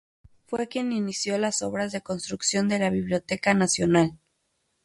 Fue quien inició las obras de construcción de la Biblioteca Nacional.